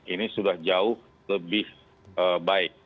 ini sudah jauh lebih baik